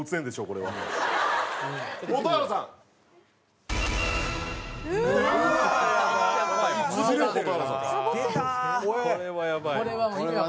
これはやばいな。